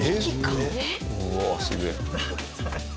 うわっすげえ。